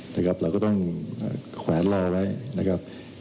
เราก็ต้องแขวนรอไว้นะครับ